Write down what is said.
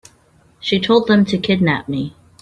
She told them to kidnap me.